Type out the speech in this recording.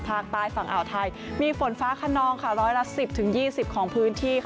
ภาคใต้ฝั่งอ่าวไทยมีฝนฟ้าขนองร้อยละ๑๐๒๐ของพื้นที่